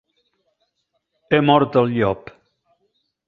He mort el llop!